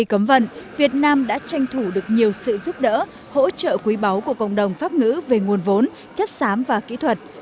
cấm vận việt nam đã tranh thủ được nhiều sự giúp đỡ hỗ trợ quý báu của cộng đồng pháp ngữ về nguồn vốn chất xám và kỹ thuật